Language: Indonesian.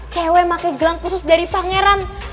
cewek pakai gelang khusus dari pangeran